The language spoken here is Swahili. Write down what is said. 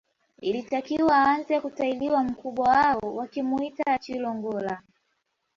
Ilitakiwa aanze kutahiriwa mkubwa wao wakimuita Chilongola